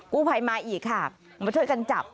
กู้ภัยมาอีกค่ะมาช่วยกันจับ